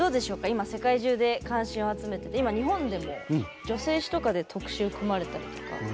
今世界中で関心を集めてて今日本でも女性誌とかで特集組まれたりとか。